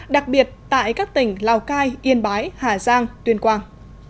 đặc biệt tại các tỉnh lào cai yên bái hà giang tuyên quang